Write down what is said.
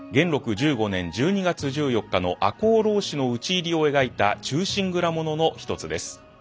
１５年１２月１４日の赤穂浪士の討ち入りを描いた忠臣蔵物のひとつです。